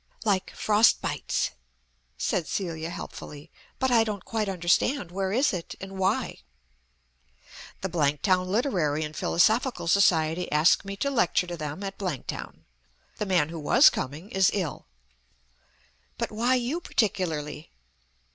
"Like 'Frostbites,'" said Celia helpfully. "But I don't quite understand. Where is it, and why?" "The Blanktown Literary and Philosophical Society ask me to lecture to them at Blanktown. The man who was coming is ill." "But why you particularly?"